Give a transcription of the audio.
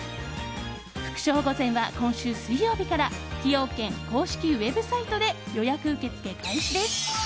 福笑御膳は今週水曜日から崎陽軒公式ウェブサイトで予約受け付け開始です。